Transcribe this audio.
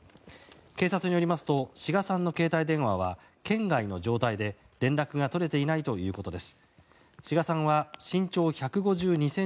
警察によりますと志賀さんの携帯電話は圏外の状態で、連絡が取れていないということです。